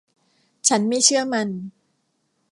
ฉันไม่เชื่อมัน